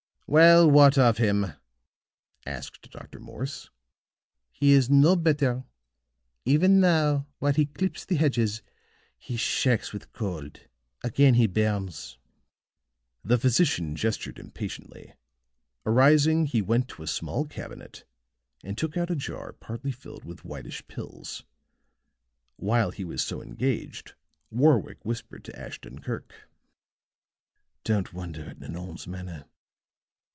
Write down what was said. "Well, what of him?" asked Dr. Morse. "He is no better. Even now while he clips the hedges, he shakes with cold; again he burns." The physician gestured impatiently. Arising he went to a small cabinet and took out a jar partly filled with whitish pills. While he was so engaged, Warwick whispered to Ashton Kirk. "Don't wonder at Nanon's manner.